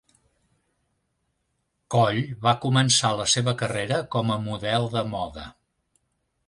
Coll Va començar la seva carrera com a model de moda.